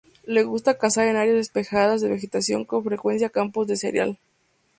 Le gusta cazar en áreas despejadas de vegetación, con frecuencia campos de cereal.